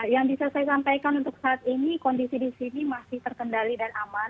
yang bisa saya sampaikan untuk saat ini kondisi di sini masih terkendali dan aman